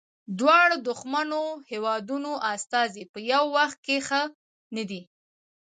دواړو دښمنو هیوادونو استازي په یوه وخت کې ښه نه دي.